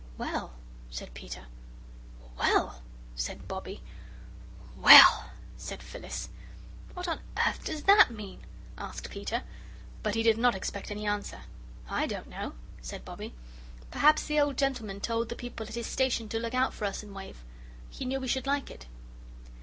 "Well!" said Peter. "WELL!" said Bobbie. "WELL!" said Phyllis. "Whatever on earth does that mean?" asked Peter, but he did not expect any answer. "I don't know," said Bobbie. "Perhaps the old gentleman told the people at his station to look out for us and wave. He knew we should like it!"